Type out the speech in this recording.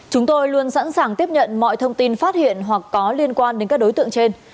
chúng tôi luôn sẵn sàng tiếp nhận mọi thông tin phát hiện hoặc có liên quan đến các đối tượng trên